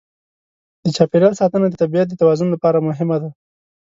د چاپېریال ساتنه د طبیعت د توازن لپاره مهمه ده.